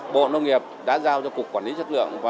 bộ nông nghiệp đã giao cho cục quản lý chất lượng